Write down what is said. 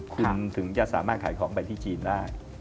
คุณถึงจะสามารถขายของไปที่จีนได้